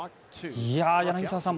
柳澤さん